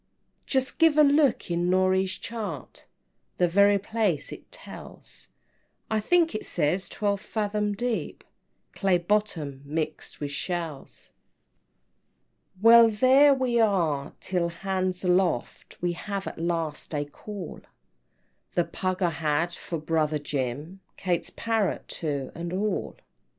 "Just give a look in Norey's chart, The very place it tells; I think it says twelve fathom deep, Clay bottom, mixed with shells." VIII. "Well, there we are till 'hands aloft,' We have at last a call; The pug I had for brother Jim, Kate's parrot too, and all." IX.